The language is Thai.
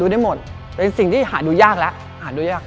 แต่สิ่งที่หาดูยากแล้ว